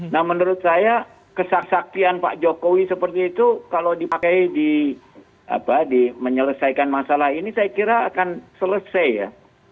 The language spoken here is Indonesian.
nah menurut saya kesak saktian pak jokowi seperti itu kalau dipakai di menyelesaikan masalah ini saya kira akan selesai ya